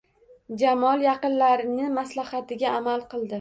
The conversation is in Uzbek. Jamol yaqinlarini maslahatiga amal qildi